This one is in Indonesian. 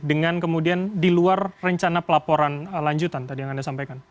dengan kemudian di luar rencana pelaporan lanjutan tadi yang anda sampaikan